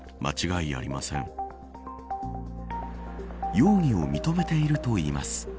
容疑を認めているといいます。